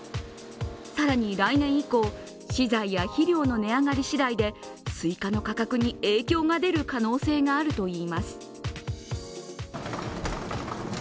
更に来年以降、資材や肥料の値上がりしだいですいかの価格に影響が出る可能性があるといいます。